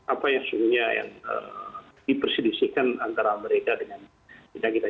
apa yang seumurnya yang dipersedisikan antara mereka dengan kita